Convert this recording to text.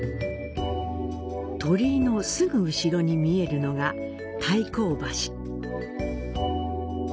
鳥居のすぐ後ろに見えるのが太閤橋。